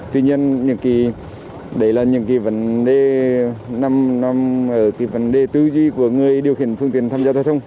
tuy nhiên đấy là những vấn đề tư duy của người điều khiển phương tiện tham gia giao thông